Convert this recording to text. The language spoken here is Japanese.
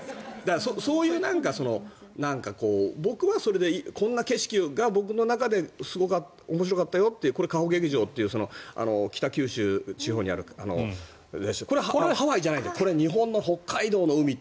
そういう、僕はこんな景色が僕の中で面白かったよっていうこれは嘉穂劇場という北九州地方にあるのでこれ、ハワイじゃなくて日本の北海道の海って。